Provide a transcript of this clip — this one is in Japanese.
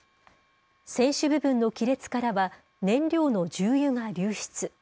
船首部分の亀裂からは、燃料の重油が流出。